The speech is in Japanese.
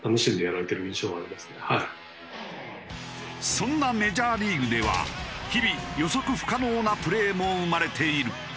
そんなメジャーリーグでは日々予測不可能なプレーも生まれている。